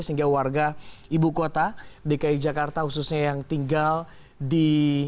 sehingga warga ibu kota dki jakarta khususnya yang tinggal di